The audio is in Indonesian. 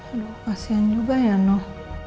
aduh pasien juga ya noh